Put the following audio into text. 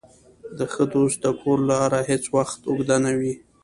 د ښه دوست د کور لاره هېڅ وخت اوږده نه وي.